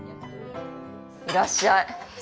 いらっしゃい。